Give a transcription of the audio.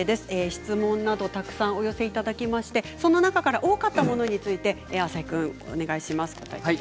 質問などをたくさんお寄せいただきましたが多かったものについて浅井君お願いします。